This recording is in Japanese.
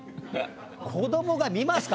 子どもが見ますか